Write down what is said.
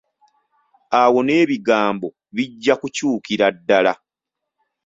Awo n'ebigambo bijja okukyukira ddala.